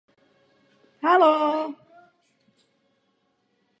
Původně stál na západní straně a poté byl přenesen více na východ.